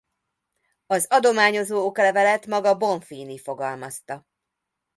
Az adományozó oklevelet maga Bonfini fogalmazta.